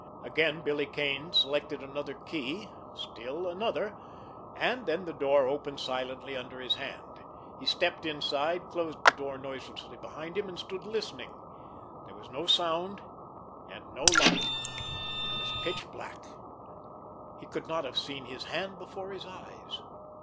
Again Billy Kane selected another key, still another—and then the door opened silently under his hand. He stepped inside, closed the door noiselessly behind him, and stood listening. There was no sound and no light. It was pitch black. He could not have seen his hand before his eyes.